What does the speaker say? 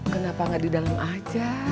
kenapa nggak di dalam aja